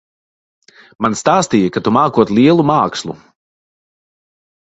Man stāstīja, ka tu mākot lielu mākslu.